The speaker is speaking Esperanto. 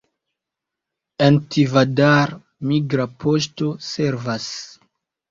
En Tivadar migra poŝto servas.